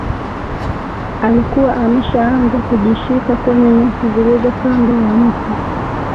Alikuwa ameshaanza kujishika kwenye nyasi zilizo kando ya mto